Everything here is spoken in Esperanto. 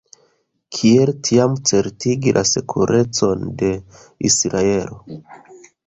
Kiel tiam certigi la sekurecon de Israelo?